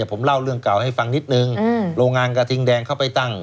ผมเล่าเรื่องเก่าให้ฟังนิดนึงโรงงานกระทิงแดงเข้าไปตั้ง